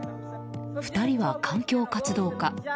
２人は環境活動家。